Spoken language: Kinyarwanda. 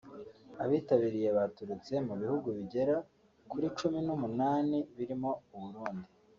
Abitabiriye baturutse mu bihugu bigera kuri cumi n’umunani birimo Burundi